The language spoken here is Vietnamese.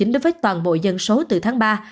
đối với toàn bộ dân số từ tháng ba